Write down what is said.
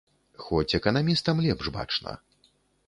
Хоць эканамістам лепш бачна.